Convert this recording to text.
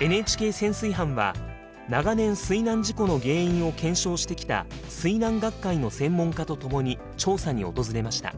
ＮＨＫ潜水班は長年水難事故の原因を検証してきた水難学会の専門家とともに調査に訪れました。